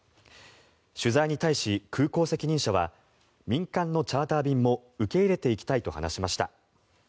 取材に対し空港責任者は民間のチャーター便も受け入れていきたいと話しました。